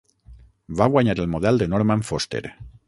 Va guanyar el model de Norman Foster.